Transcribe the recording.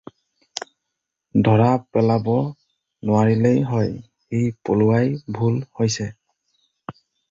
ধৰা পেলাব নোৱাৰিলেই হয়, সি পলোৱাই ভুল হৈছে।